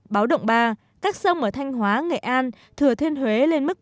báo động ba các sông ở thanh hóa nghệ an thừa thiên huế lên mức